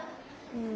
うん。